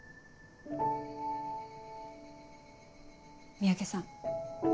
三宅さん。